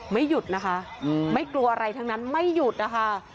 ไม่หยุดนะคะไม่กลัวอะไรทั้งนั้นไม่หยุดนะคะ